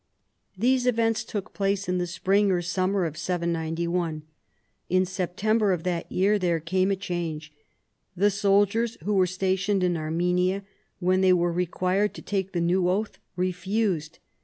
These events took place in the spring or summer of T91. In September of that year there came a change. The soldiers who were stationed in Armenia, when they were required to take the new oath, refused.